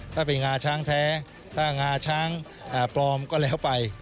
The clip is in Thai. ถ้ามีวงาช้างแท้และวงาช้างปลอมก็เร็วไป